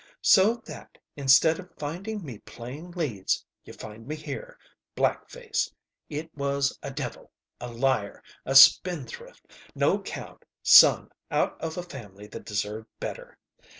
So that instead of finding me playing leads you find me here black face! It was a devil! A liar! A spendthrift, no 'count son out of a family that deserved better.